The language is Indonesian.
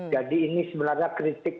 jadi ini sebenarnya kritik